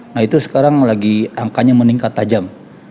nah itu sekarang lagi angkanya meningkat tajam